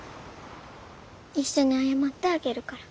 一緒に謝ってあげるから。